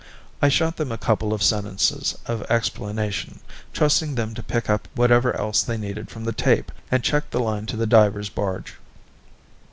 I shot them a couple of sentences of explanation, trusting them to pick up whatever else they needed from the tape, and checked the line to the divers' barge.